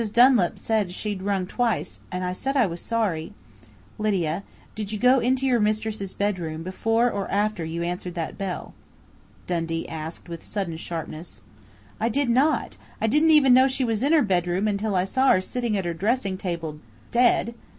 Dunlap said she'd rung twice, and I said I was sorry " "Lydia, did you go into your mistress' bedroom before or after you answered that bell?" Dundee asked with sudden sharpness. "I did not! I didn't even know she was in her bedroom, until I saw her sitting at her dressing table dead."